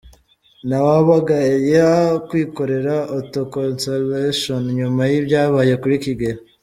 Ntawabagaya kwikorera autoconsolation nyuma yibyabaye kuri Kigeli.